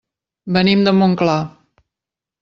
Venim de Montclar.